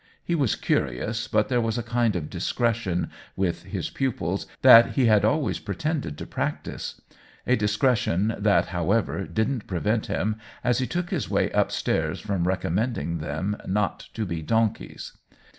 He was cu rious, but there was a kind of discretion, with his pupils, that he had always pretend ed to practise ; a discretion that, however, didn't prevent him as he took his way up stairs from recommending them not to be donkeys.